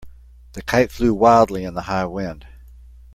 The kite flew wildly in the high wind.